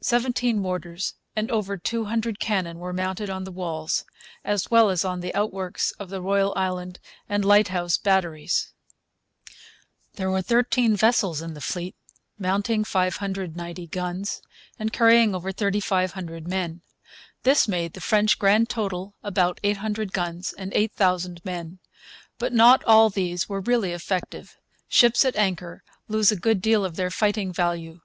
Seventeen mortars and over two hundred cannon were mounted on the walls, as well as on the outworks at the Royal, Island, and Lighthouse Batteries. There were thirteen vessels in the fleet, mounting 590 guns, and carrying over 3,500 men. This made the French grand total about 800 guns and 8,000 men. But not all these were really effective. Ships at anchor lose a good deal of their fighting value.